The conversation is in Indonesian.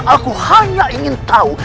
karena aku hanya ingin tahu